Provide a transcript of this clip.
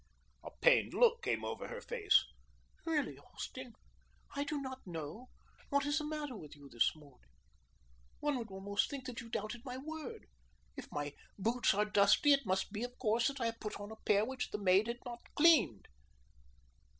A pained look came over her face. "Really, Austin, I do not know what is the matter with you this morning. One would almost think that you doubted my word. If my boots are dusty, it must be, of course, that I have put on a pair which the maid had not cleaned."